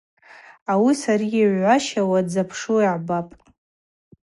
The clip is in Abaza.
Уари сари йгӏващауа дзапшу гӏбапӏ.